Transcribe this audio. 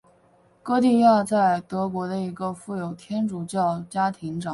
歌地亚在德国的一个富有的天主教家庭长大。